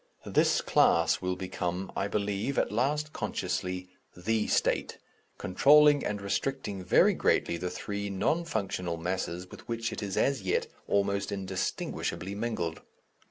This class will become, I believe, at last consciously the State, controlling and restricting very greatly the three non functional masses with which it is as yet almost indistinguishably mingled.